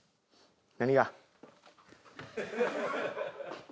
何が？